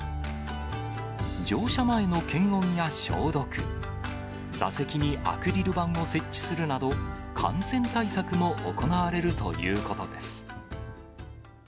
乗車前の検温や消毒、座席にアクリル板を設置するなど、感染対策も行われるということです。